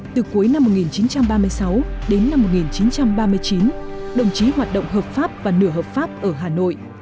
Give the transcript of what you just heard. từ cuối năm một nghìn chín trăm ba mươi sáu đến năm một nghìn chín trăm ba mươi chín đồng chí hoạt động hợp pháp và nửa hợp pháp ở hà nội